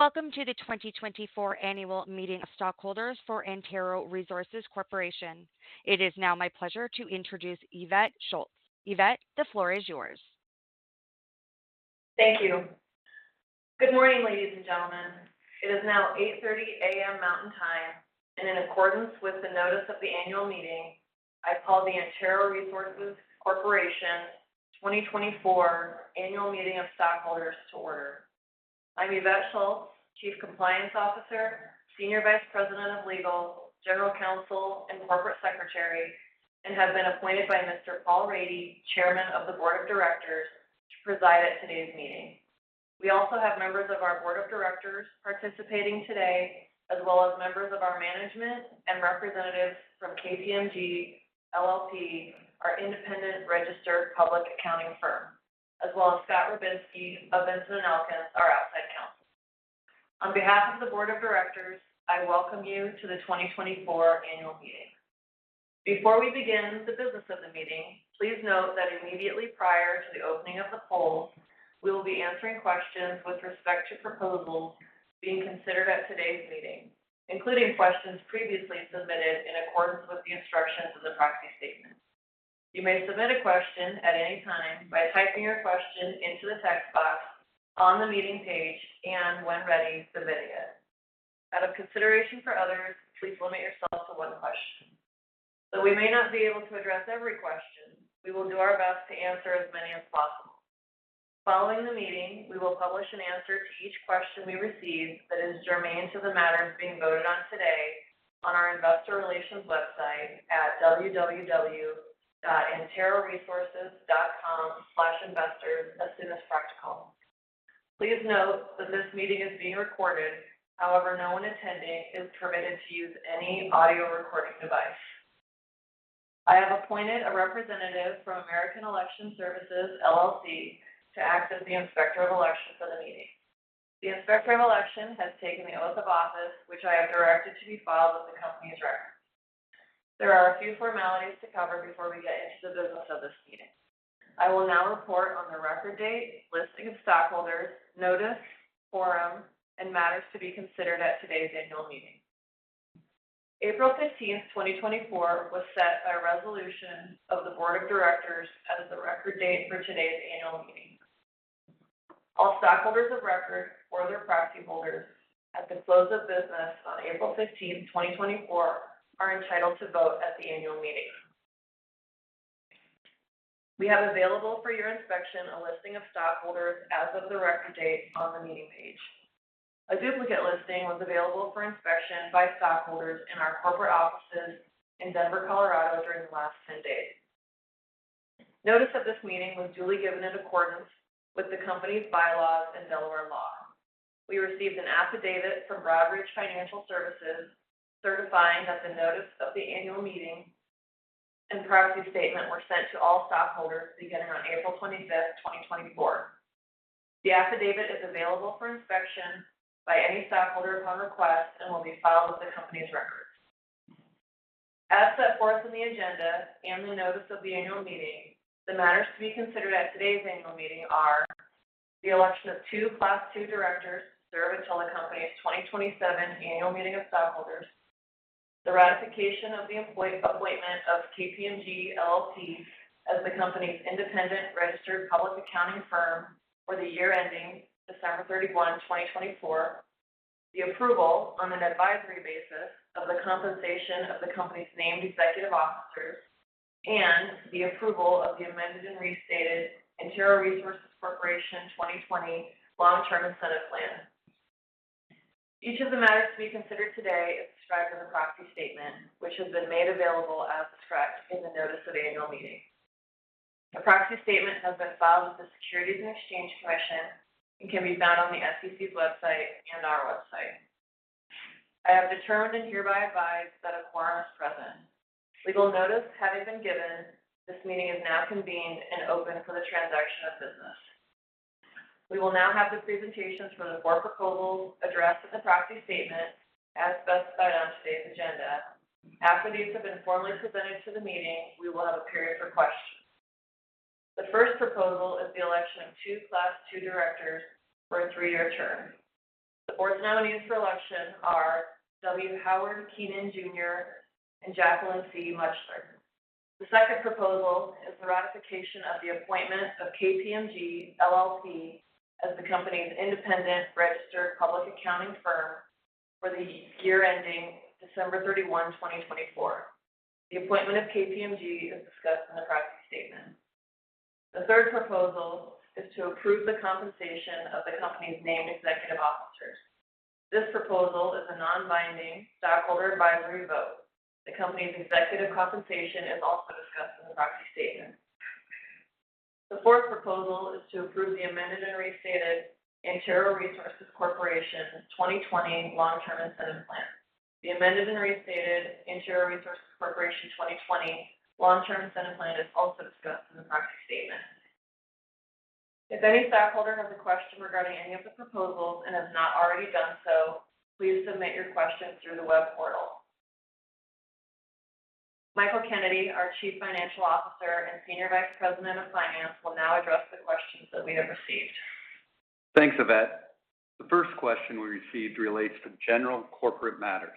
Welcome to the 2024 annual meeting of Stockholders for Antero Resources Corporation. It is now my pleasure to introduce Yvette Schultz. vette, the floor is yours. Thank you. Good morning, ladies and gentlemen. It is now 8:30 A.M. Mountain Time, and in accordance with the notice of the annual meeting, I call the Antero Resources Corporation 2024 Annual Meeting of Stockholders to order. I'm Yvette Schultz, Chief Compliance Officer, Senior Vice President of Legal, General Counsel, and Corporate Secretary, and have been appointed by Mr. Paul Rady, Chairman of the Board of Directors, to preside at today's meeting. We also have members of our Board of Directors participating today, as well as members of our management and representatives from KPMG LLP, our independent registered public accounting firm, as well as Scott Rubinsky of Vinson & Elkins, our outside counsel. On behalf of the Board of Directors, I welcome you to the 2024 Annual Meeting. Before we begin the business of the meeting, please note that immediately prior to the opening of the poll, we will be answering questions with respect to proposals being considered at today's meeting, including questions previously submitted in accordance with the instructions of the proxy statement. You may submit a question at any time by typing your question into the text box on the meeting page, and when ready, submitting it. Out of consideration for others, please limit yourself to one question. Though we may not be able to address every question, we will do our best to answer as many as possible. Following the meeting, we will publish an answer to each question we receive that is germane to the matters being voted on today on our Investor Relations website at www.anteroresources.com/investors as soon as practical. Please note that this meeting is being recorded. However, no one attending is permitted to use any audio recording device. I have appointed a representative from American Election Services, LLC, to act as the Inspector of Election for the meeting. The Inspector of Election has taken the oath of office, which I have directed to be filed with the company's records. There are a few formalities to cover before we get into the business of this meeting. I will now report on the record date, listing of stockholders, notice, quorum, and matters to be considered at today's annual meeting. April 15th, 2024, was set by a resolution of the Board of Directors as the record date for today's annual meeting. All stockholders of record or their proxy holders at the close of business on April 15th, 2024, are entitled to vote at the annual meeting. We have available for your inspection, a listing of stockholders as of the record date on the meeting page. A duplicate listing was available for inspection by stockholders in our Corporate Offices in Denver, Colorado, during the last 10 days. Notice of this meeting was duly given in accordance with the company's bylaws and Delaware law. We received an affidavit from Broadridge Financial Services, certifying that the notice of the annual meeting and proxy statement were sent to all stockholders beginning on April 25, 2024. The affidavit is available for inspection by any stockholder upon request and will be filed with the company's records. As set forth in the agenda and the notice of the annual meeting, the matters to be considered at today's annual meeting are: the election of two Class II Directors to serve until the company's 2027 Annual Meeting of Stockholders, the ratification of the appointment of KPMG LLP as the company's independent registered public accounting firm for the year ending December 31, 2024, the approval on an advisory basis of the compensation of the company's named Executive Officers, and the approval of the amended and restated Antero Resources Corporation 2020 Long-Term Incentive Plan. Each of the matters to be considered today is described in the proxy statement, which has been made available as described in the notice of annual meeting. The proxy statement has been filed with the Securities and Exchange Commission and can be found on the SEC's website and our website. I have determined and hereby advise that a quorum is present. Legal notice having been given, this meeting is now convened and open for the transaction of business. We will now have the presentations from the board proposals addressed in the proxy statement as specified on today's agenda. After these have been formally presented to the meeting, we will have a period for questions. The first proposal is the election of two Class II Directors for a three-year term. The board's nominees for election are W. Howard Keenan, Jr. and Jacqueline C. Mutschler. The second proposal is the ratification of the appointment of KPMG LLP as the company's independent registered public accounting firm for the year ending December 31, 2024. The appointment of KPMG is discussed in the proxy statement. The third proposal is to approve the compensation of the company's named Executive Officers. This proposal is a non-binding stockholder advisory vote. The company's executive compensation is also discussed in the proxy statement. The fourth proposal is to approve the amended and restated Antero Resources Corporation 2020 Long-Term Incentive Plan. The amended and restated Antero Resources Corporation 2020 Long-Term Incentive Plan is also discussed in the proxy statement. If any stockholder has a question regarding any of the proposals and has not already done so, please submit your question through the web portal. Michael Kennedy, our Chief Financial Officer and Senior Vice President of Finance, will now address the questions that we have received. Thanks, Yvette. The first question we received relates to general corporate matters.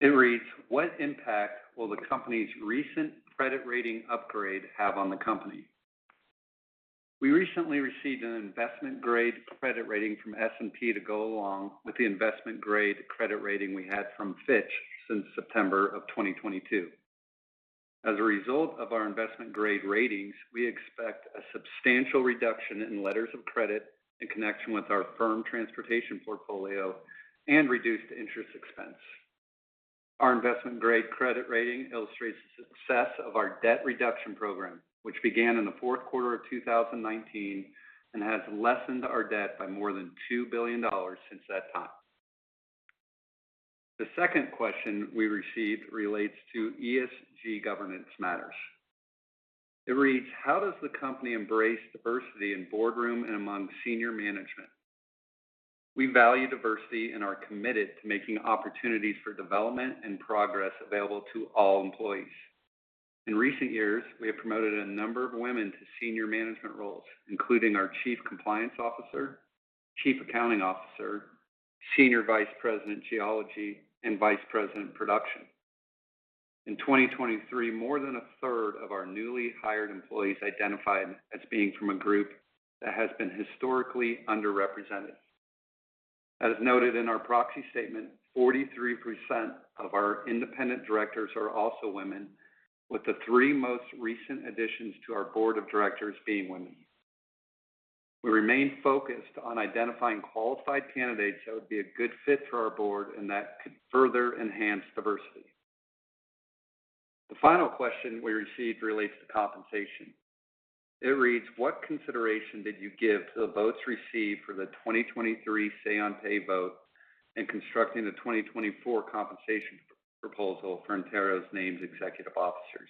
It reads: What impact will the company's recent credit rating upgrade have on the company? We recently received an investment-grade credit rating from S&P to go along with the investment-grade credit rating we had from Fitch since September of 2022. As a result of our investment-grade ratings, we expect a substantial reduction in letters of credit in connection with our firm transportation portfolio and reduced interest expense. Our investment-grade credit rating illustrates the success of our debt reduction program, which began in the fourth quarter of 2019, and has lessened our debt by more than $2 billion since that time. The second question we received relates to ESG governance matters. It reads: How does the company embrace diversity in boardroom and among senior management? We value diversity and are committed to making opportunities for development and progress available to all employees. In recent years, we have promoted a number of women to senior management roles, including our Chief Compliance Officer, Chief Accounting Officer, Senior Vice President, Geology, and Vice President, Production. In 2023, more than a third of our newly hired employees identified as being from a group that has been historically underrepresented. As noted in our proxy statement, 43% of our Independent Directors are also women, with the three most recent additions to our Board of Directors being women. We remain focused on identifying qualified candidates that would be a good fit for our board and that could further enhance diversity. The final question we received relates to compensation. It reads: What consideration did you give to the votes received for the 2023 Say on Pay vote in constructing the 2024 compensation proposal for Antero's named Executive officers?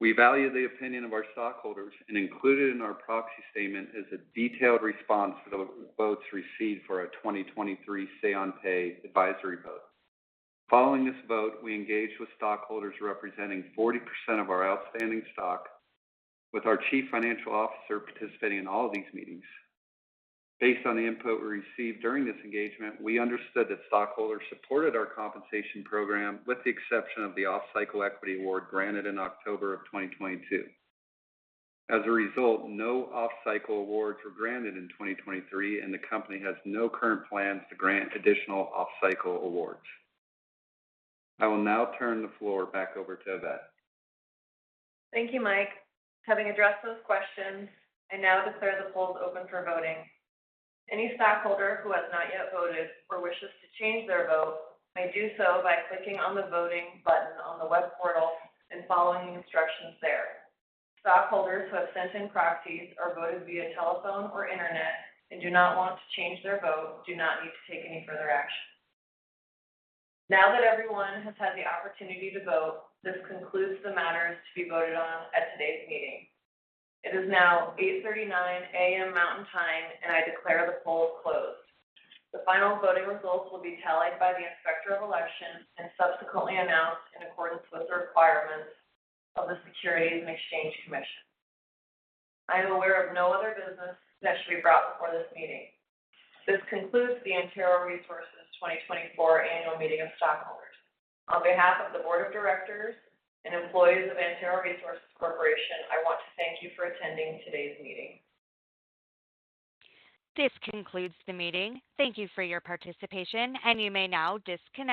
We value the opinion of our stockholders and included in our Proxy Statement is a detailed response for the votes received for our 2023 Say on Pay advisory vote. Following this vote, we engaged with stockholders representing 40% of our outstanding stock, with our Chief Financial Officer participating in all of these meetings. Based on the input we received during this engagement, we understood that stockholders supported our compensation program, with the exception of the off-cycle equity award granted in October of 2022. As a result, no off-cycle awards were granted in 2023, and the company has no current plans to grant additional off-cycle awards. I will now turn the floor back over to Yvette. Thank you, Mike. Having addressed those questions, I now declare the polls open for voting. Any stockholder who has not yet voted or wishes to change their vote may do so by clicking on the voting button on the web portal and following the instructions there. Stockholders who have sent in proxies or voted via telephone or internet and do not want to change their vote, do not need to take any further action. Now that everyone has had the opportunity to vote, this concludes the matters to be voted on at today's meeting. It is now 8:39 A.M. Mountain Time, and I declare the poll closed. The final voting results will be tallied by the Inspector of Election and subsequently announced in accordance with the requirements of the Securities and Exchange Commission. I am aware of no other business that should be brought before this meeting. This concludes the Antero Resources 2024 Annual Meeting of Stockholders. On behalf of the Board of Directors and employees of Antero Resources Corporation, I want to thank you for attending today's meeting. This concludes the meeting. Thank you for your participation, and you may now disconnect.